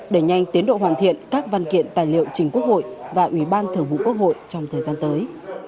để nhanh tiến độ hoàn thiện các văn kiện tài liệu trình quốc hội và ủy ban thường vụ quốc hội trong thời gian tới